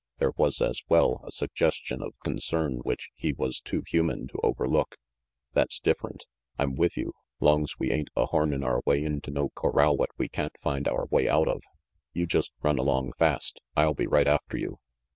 There was, as well, a suggestion of concern which he was too human to overlook. "That's different. I'm with you, long's we ain't a hornin' our way into no corral what we can't find our way out of. You just run along fast. I'll be right after you."